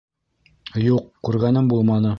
—Юҡ, күргәнем булманы.